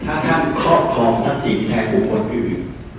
ถ้าท่้านคอบครองทรัพย์สินแท้ผู้คนอื่น